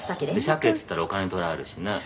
「シャケって言ったらお金取られるしね」